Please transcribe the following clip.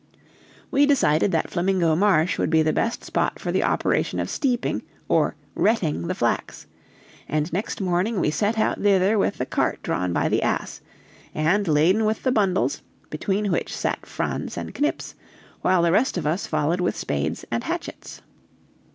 We decided that Flamingo Marsh would be the best spot for the operation of steeping or "retting" the flax, and next morning we set out thither with the cart drawn by the ass, and laden with the bundles, between which sat Franz and Knips, while the rest of us followed with spades and hatchets.